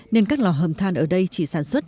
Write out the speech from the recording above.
nên các lò hầm than ở đây chỉ sản xuất